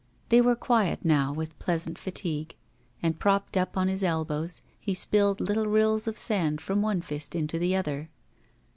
They were quiet now with pleasant fatigue, and, propped up on his elbows, he spilled little rills of sand from one fist into the other.